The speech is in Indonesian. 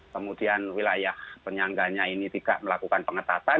kemudian wilayah penyangganya ini tidak melakukan pengetatan